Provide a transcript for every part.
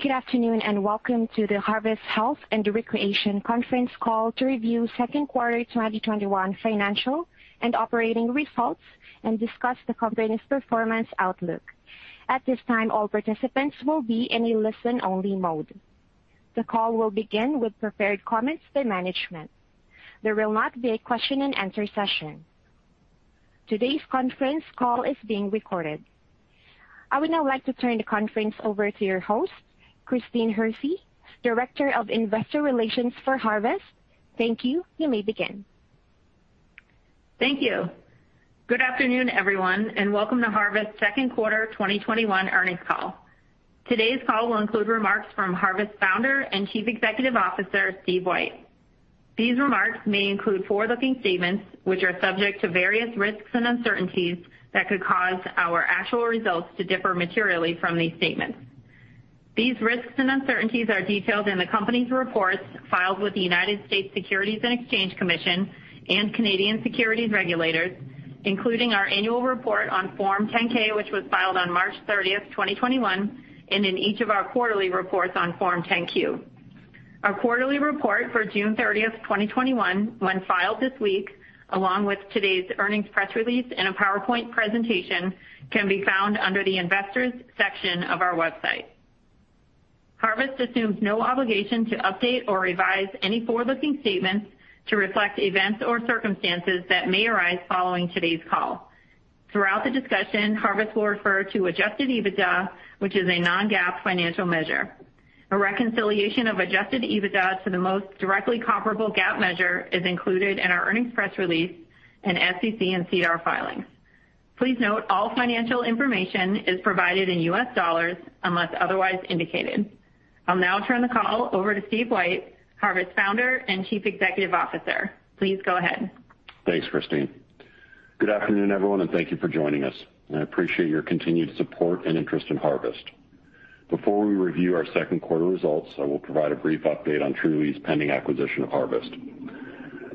Good afternoon, and welcome to the Harvest Health & Recreation conference call to review second quarter 2021 financial and operating results and discuss the company's performance outlook. At this time, all participants will be in a listen-only mode. The call will begin with prepared comments by management. There will not be a question and answer session. Today's conference call is being recorded. I would now like to turn the conference over to your host, Christine Hersey, Director of Investor Relations for Harvest. Thank you. You may begin. Thank you. Good afternoon, everyone, and welcome to Harvest second quarter 2021 earnings call. Today's call will include remarks from Harvest founder and Chief Executive Officer, Steve White. These remarks may include forward-looking statements, which are subject to various risks and uncertainties that could cause our actual results to differ materially from these statements. These risks and uncertainties are detailed in the company's reports filed with the United States Securities and Exchange Commission and Canadian securities regulators, including our annual report on Form 10-K, which was filed on March 30th, 2021, and in each of our quarterly reports on Form 10-Q. Our quarterly report for June 30th, 2021, when filed this week, along with today's earnings press release and a PowerPoint presentation, can be found under the Investors section of our website. Harvest assumes no obligation to update or revise any forward-looking statements to reflect events or circumstances that may arise following today's call. Throughout the discussion, Harvest will refer to adjusted EBITDA, which is a non-GAAP financial measure. A reconciliation of adjusted EBITDA to the most directly comparable GAAP measure is included in our earnings press release and SEC and SEDAR filings. Please note, all financial information is provided in US dollars unless otherwise indicated. I'll now turn the call over to Steve White, Harvest founder and Chief Executive Officer. Please go ahead. Thanks, Christine. Good afternoon, everyone, and thank you for joining us. I appreciate your continued support and interest in Harvest. Before we review our second quarter results, I will provide a brief update on Trulieve's pending acquisition of Harvest.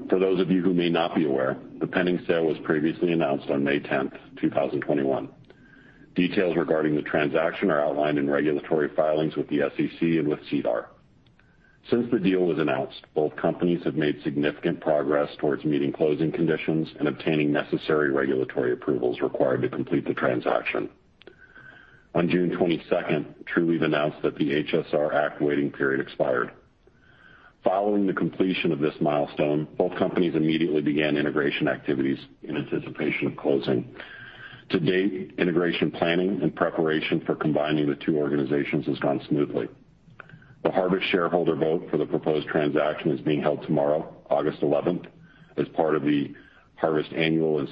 For those of you who may not be aware, the pending sale was previously announced on May 10th, 2021. Details regarding the transaction are outlined in regulatory filings with the SEC and with SEDAR. Since the deal was announced, both companies have made significant progress towards meeting closing conditions and obtaining necessary regulatory approvals required to complete the transaction. On June 22nd, Trulieve announced that the HSR Act waiting period expired. Following the completion of this milestone, both companies immediately began integration activities in anticipation of closing. To date, integration planning and preparation for combining the two organizations has gone smoothly. The Harvest shareholder vote for the proposed transaction is being held tomorrow, August 11th, as part of the Harvest annual and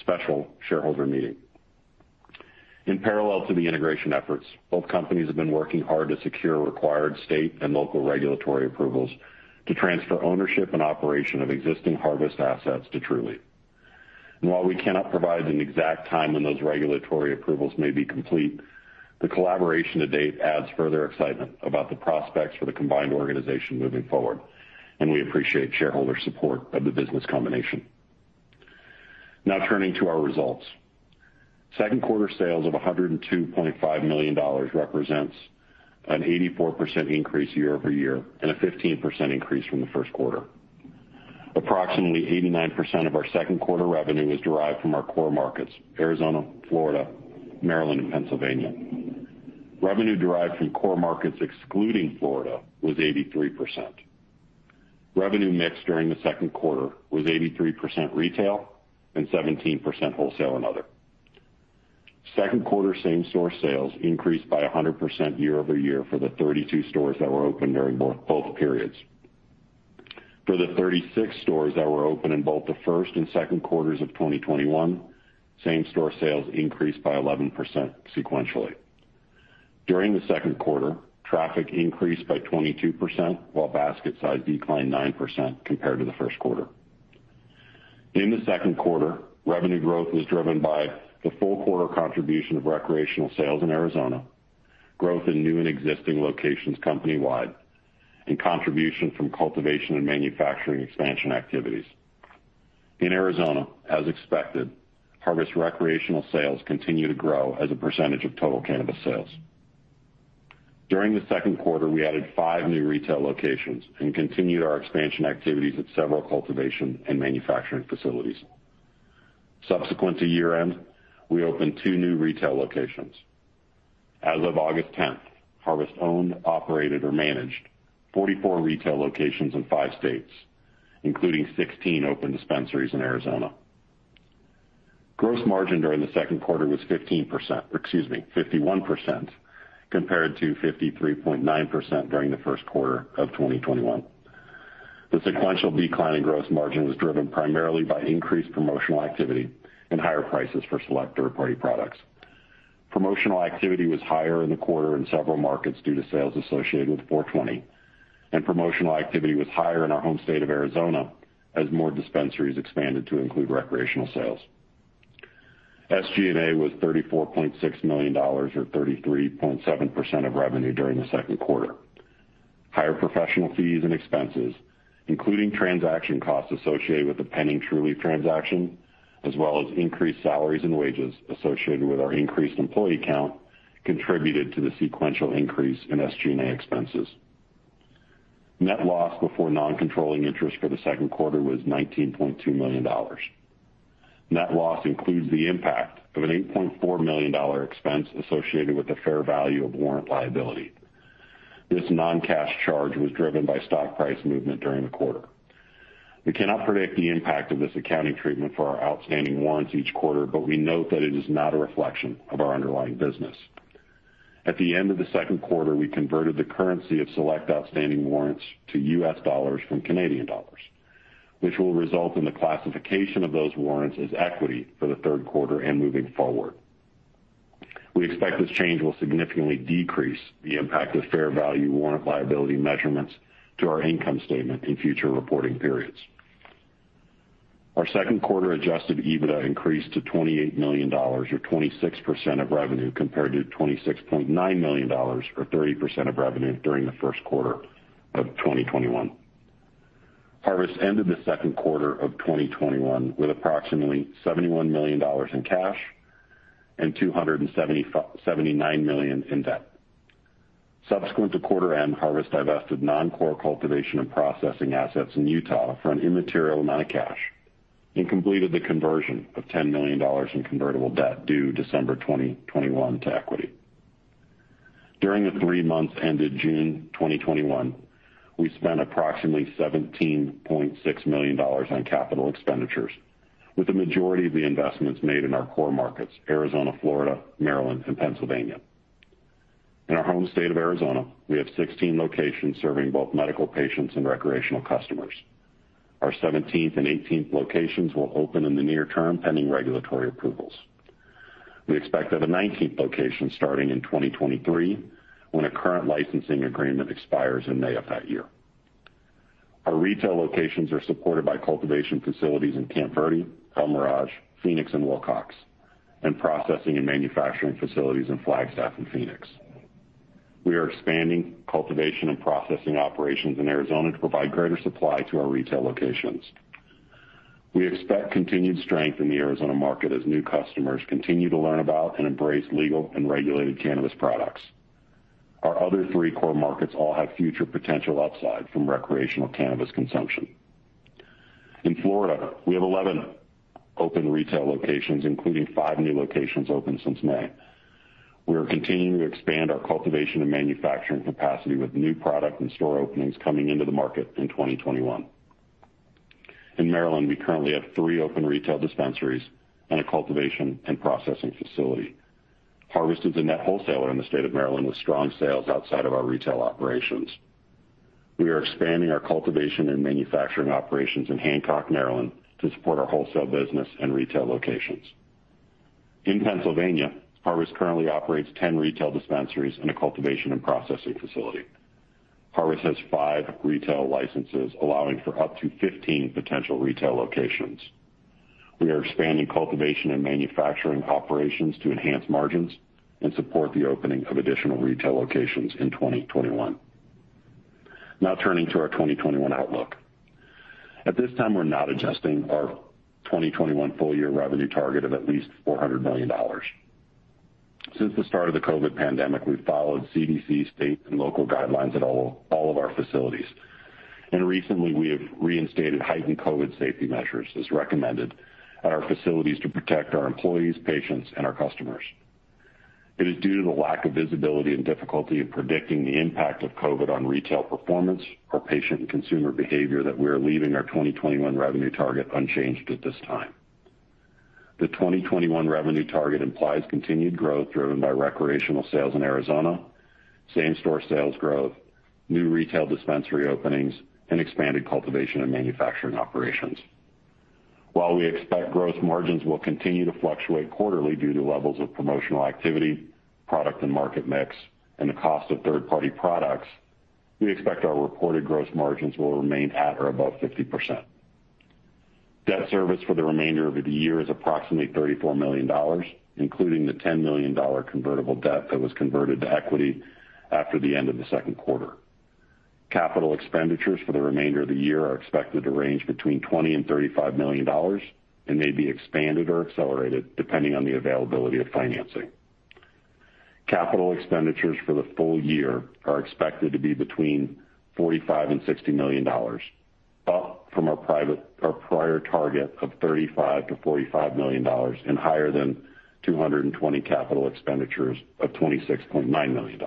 special shareholder meeting. In parallel to the integration efforts, both companies have been working hard to secure required state and local regulatory approvals to transfer ownership and operation of existing Harvest assets to Trulieve. While we cannot provide an exact time when those regulatory approvals may be complete, the collaboration to date adds further excitement about the prospects for the combined organization moving forward, and we appreciate shareholder support of the business combination. Now turning to our results. Second quarter sales of $102.5 million represents an 84% increase year-over-year and a 15% increase from the first quarter. Approximately 89% of our second quarter revenue is derived from our core markets, Arizona, Florida, Maryland, and Pennsylvania. Revenue derived from core markets excluding Florida was 83%. Revenue mix during the second quarter was 83% retail and 17% wholesale and other. Second quarter same-store sales increased by 100% year-over-year for the 32 stores that were open during both periods. For the 36 stores that were open in both the first and second quarters of 2021, same-store sales increased by 11% sequentially. During the second quarter, traffic increased by 22%, while basket size declined 9% compared to the first quarter. In the second quarter, revenue growth was driven by the full quarter contribution of recreational sales in Arizona, growth in new and existing locations company-wide, and contribution from cultivation and manufacturing expansion activities. In Arizona, as expected, Harvest recreational sales continue to grow as a percentage of total cannabis sales. During the second quarter, we added five new retail locations and continued our expansion activities at several cultivation and manufacturing facilities. Subsequent to year-end, we opened two new retail locations. As of August 10th, Harvest owned, operated, or managed 44 retail locations in five states, including 16 open dispensaries in Arizona. Gross margin during the second quarter was 51%, compared to 53.9% during the first quarter of 2021. The sequential decline in gross margin was driven primarily by increased promotional activity and higher prices for select third-party products. Promotional activity was higher in the quarter in several markets due to sales associated with April 20, and promotional activity was higher in our home state of Arizona as more dispensaries expanded to include recreational sales. SG&A was $34.6 million, or 33.7% of revenue during the second quarter. Higher professional fees and expenses, including transaction costs associated with the pending Trulieve transaction, as well as increased salaries and wages associated with our increased employee count, contributed to the sequential increase in SG&A expenses. Net loss before non-controlling interest for the second quarter was $19.2 million. Net loss includes the impact of an $8.4 million expense associated with the fair value of warrant liability. This non-cash charge was driven by stock price movement during the quarter. We cannot predict the impact of this accounting treatment for our outstanding warrants each quarter, but we note that it is not a reflection of our underlying business. At the end of the second quarter, we converted the currency of select outstanding warrants to US dollars from Canadian dollars, which will result in the classification of those warrants as equity for the third quarter and moving forward. We expect this change will significantly decrease the impact of fair value warrant liability measurements to our income statement in future reporting periods. Our second quarter adjusted EBITDA increased to $28 million or 26% of revenue, compared to $26.9 million or 30% of revenue during the first quarter of 2021. Harvest ended the second quarter of 2021 with approximately $71 million in cash and $279 million in debt. Subsequent to quarter end, Harvest divested non-core cultivation and processing assets in Utah for an immaterial amount of cash and completed the conversion of $10 million in convertible debt due December 2021 to equity. During the three months ended June 2021, we spent approximately $17.6 million on capital expenditures, with the majority of the investments made in our core markets, Arizona, Florida, Maryland, and Pennsylvania. In our home state of Arizona, we have 16 locations serving both medical patients and recreational customers. Our 17th and 18th locations will open in the near term, pending regulatory approvals. We expect to have a 19th location starting in 2023, when a current licensing agreement expires in May of that year. Our retail locations are supported by cultivation facilities in Camp Verde, El Mirage, Phoenix, and Willcox, and processing and manufacturing facilities in Flagstaff and Phoenix. We are expanding cultivation and processing operations in Arizona to provide greater supply to our retail locations. We expect continued strength in the Arizona market as new customers continue to learn about and embrace legal and regulated cannabis products. Our other three core markets all have future potential upside from recreational cannabis consumption. In Florida, we have 11 open retail locations, including five new locations opened since May. We are continuing to expand our cultivation and manufacturing capacity with new product and store openings coming into the market in 2021. In Maryland, we currently have three open retail dispensaries and a cultivation and processing facility. Harvest is a net wholesaler in the state of Maryland, with strong sales outside of our retail operations. We are expanding our cultivation and manufacturing operations in Hancock, Maryland to support our wholesale business and retail locations. In Pennsylvania, Harvest currently operates 10 retail dispensaries and a cultivation and processing facility. Harvest has five retail licenses, allowing for up to 15 potential retail locations. We are expanding cultivation and manufacturing operations to enhance margins and support the opening of additional retail locations in 2021. Now turning to our 2021 outlook. At this time, we're not adjusting our 2021 full year revenue target of at least $400 million. Since the start of the COVID pandemic, we've followed CDC, state, and local guidelines at all of our facilities, and recently, we have reinstated heightened COVID safety measures as recommended at our facilities to protect our employees, patients, and our customers. It is due to the lack of visibility and difficulty of predicting the impact of COVID on retail performance, or patient and consumer behavior, that we are leaving our 2021 revenue target unchanged at this time. The 2021 revenue target implies continued growth driven by recreational sales in Arizona, same-store sales growth, new retail dispensary openings, and expanded cultivation and manufacturing operations. While we expect gross margins will continue to fluctuate quarterly due to levels of promotional activity, product and market mix, and the cost of third-party products, we expect our reported gross margins will remain at or above 50%. Debt service for the remainder of the year is approximately $34 million, including the $10 million convertible debt that was converted to equity after the end of the second quarter. Capital expenditures for the remainder of the year are expected to range between $20 million and $35 million and may be expanded or accelerated depending on the availability of financing. Capital expenditures for the full year are expected to be between $45 million and $60 million, up from our prior target of $35 million-$45 million, and higher than 2020 capital expenditures of $26.9 million.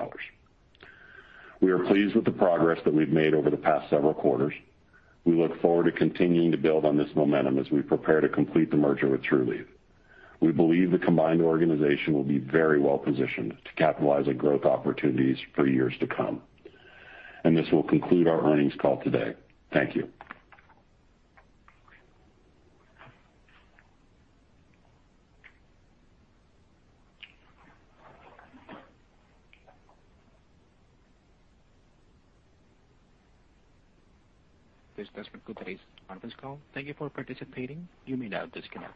We are pleased with the progress that we've made over the past several quarters. We look forward to continuing to build on this momentum as we prepare to complete the merger with Trulieve. We believe the combined organization will be very well positioned to capitalize on growth opportunities for years to come. This will conclude our earnings call today. Thank you. This does conclude today's conference call. Thank you for participating. You may now disconnect.